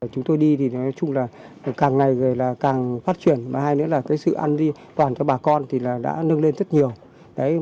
chúng tôi đi thì nói chung là càng ngày càng phát triển và hai nữa là cái sự ăn đi toàn cho bà con thì đã nâng lên rất nhiều